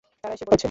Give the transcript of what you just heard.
তারা এসে পড়েছে।